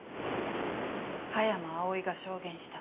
葉山葵が証言した。